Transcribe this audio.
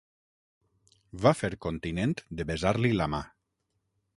Va fer continent de besar-li la mà.